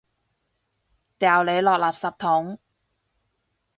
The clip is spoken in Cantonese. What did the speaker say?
掉你落垃圾桶！